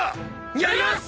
やります！